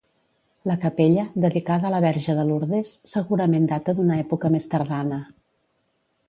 La capella, dedicada a la Verge de Lourdes, segurament data d'una època més tardana.